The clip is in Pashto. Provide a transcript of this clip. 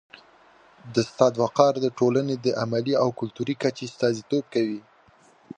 د استاد وقار د ټولني د علمي او کلتوري کچي استازیتوب کوي.